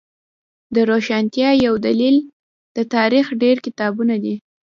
د روښانتیا یو دلیل د تاریخ ډیر کتابونه دی